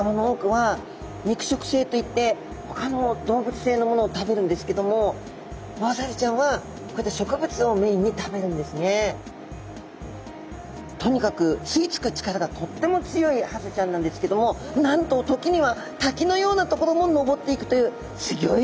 ほかの動物性のものを食べるんですけどもとにかく吸い付く力がとっても強いハゼちゃんなんですけどもなんと時には滝のような所も登っていくというすギョい